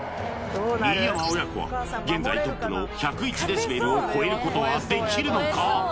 新山親子は現在トップの１０１デシベルを超えることはできるのか？